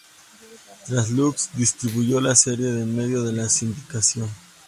Trans-Lux distribuyó la serie por medio de la sindicación.